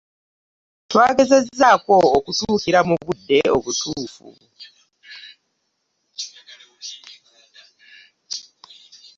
Twagezezzaako okutuukira mu budde obutuufu.